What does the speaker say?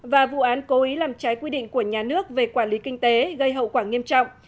và vụ án cố ý làm trái quy định của nhà nước về quản lý kinh tế gây hậu quả nghiêm trọng